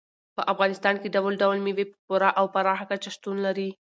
په افغانستان کې ډول ډول مېوې په پوره او پراخه کچه شتون لري.